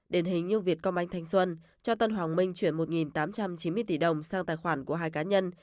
đền hình như việt công anh thanh xuân cho tân hoàng minh chuyển một tám trăm chín mươi tỷ đồng sang tài khoản của hai cá nhân